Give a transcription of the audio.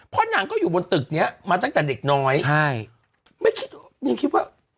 เพราะนางก็อยู่บนตึกเนี้ยมาตั้งแต่เด็กน้อยใช่ไม่คิดยังคิดว่า